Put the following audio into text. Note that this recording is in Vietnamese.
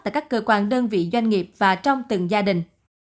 tại các cơ quan đơn vị doanh nghiệp và trong từng gia đình